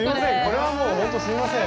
これはもうほんとすいません。